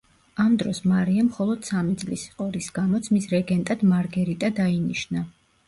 ამ დროს მარია მხოლოდ სამი წლის იყო, რის გამოც მის რეგენტად მარგერიტა დაინიშნა.